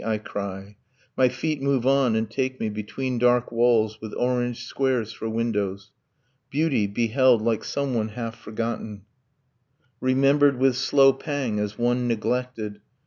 I cry. ... My feet move on, and take me Between dark walls, with orange squares for windows. Beauty; beheld like someone half forgotten, Remembered, with slow pang, as one neglected